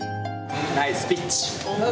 ナイスピッチ。